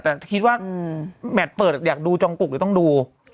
แต่คิดว่าแมตต์เปิดอังกฤษอยากดูจองกลุ่นหรือต้องดู